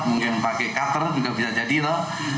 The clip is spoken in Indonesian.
mungkin pakai cutter juga bisa jadi lho